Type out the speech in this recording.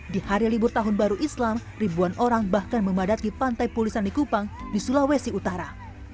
di hari libur tahun baru islam ribuan orang bahkan memadati pantai pulisan di kupang di sulawesi utara